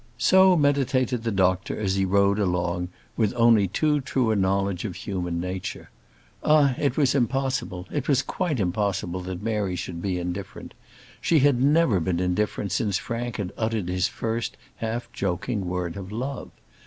So meditated the doctor as he rode along, with only too true a knowledge of human nature. Ah! it was impossible, it was quite impossible that Mary should be indifferent. She had never been indifferent since Frank had uttered his first half joking word of love.